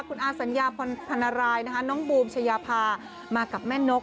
คุณอาศันยภนรายน้องบูมชะยาภามากับแม่นก